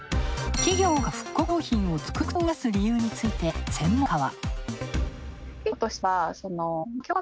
企業が復刻商品を続々売り出す理由について専門家は。